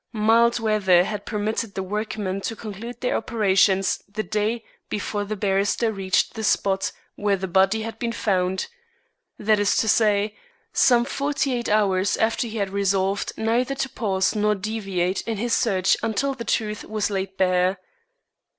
Mild weather had permitted the workmen to conclude their operations the day before the barrister reached the spot where the body had been found that is to say, some forty eight hours after he had resolved neither to pause nor deviate in his search until the truth was laid bare.